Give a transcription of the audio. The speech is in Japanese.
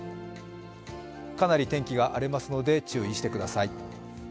かなり天気が荒れますので注意してください。